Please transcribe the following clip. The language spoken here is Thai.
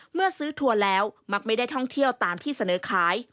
เมื่อซื้อทัวร์แล้วมักไม่ได้ท่องเที่ยวตามที่เสนอขาย